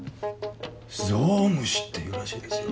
ゾウムシというらしいですよ。